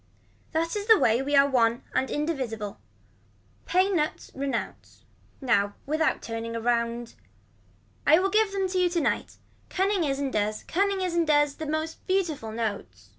That is the way we are one and indivisible. Pay nuts renounce. Now without turning around. I will give them to you tonight. Cunning is and does cunning is and does the most beautiful notes.